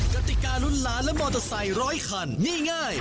กติการุ้นล้านและมอเตอร์ไซค์ร้อยคันนี่ง่าย